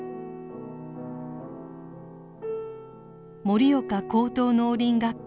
盛岡高等農林学校